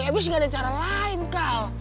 habis gak ada cara lain kak